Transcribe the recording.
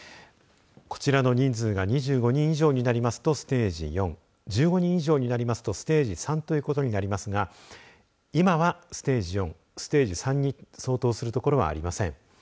こちらの人数が２５人以上になりますと、ステージ４１５人以上になりますとステージ３ということになりますが今はステージ４、ステージ３に相当する所はありません。